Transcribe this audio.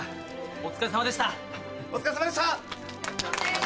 お疲れさまでした！